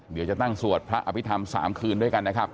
เดี๋ยวจะตั้งสวดพระอภิษฐรรม๓คืนด้วยกันนะครับ